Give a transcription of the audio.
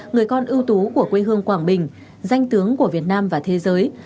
người con ưu tú của quê hương quảng bình danh tướng của việt nam và thế giới